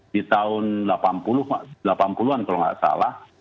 di tahun delapan puluh an kalau nggak salah